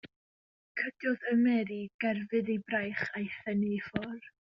Cydiodd yn Mary gerfydd ei braich a'i thynnu i ffwrdd.